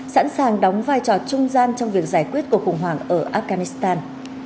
sẵn sàng đóng vai trò trung gian trong việc giải quyết cuộc khủng hoảng ở afghanistan